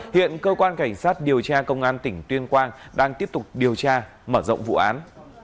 hiện cơ quan cảnh sát điều tra công an tỉnh tuyên quang đang tiếp tục điều tra mở rộng vụ án